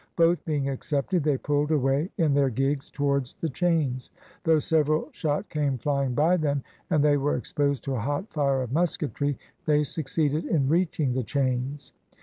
Both being accepted, they pulled away in their gigs towards the chains. Though several shot came flying by them, and they were exposed to a hot fire of musketry, they succeeded in reaching the chains.